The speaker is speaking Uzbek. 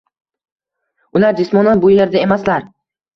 ular jismonan bu yerda emaslar.